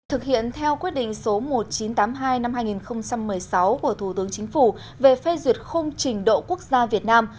thực hiện theo quyết định số một nghìn chín trăm tám mươi hai năm hai nghìn một mươi sáu của thủ tướng chính phủ về phê duyệt khung trình độ quốc gia việt nam